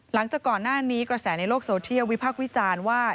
หลังจากก่อนหน้านี้กระแสในโลกโซเทียลวิพากษ์วิจารณ์ว่า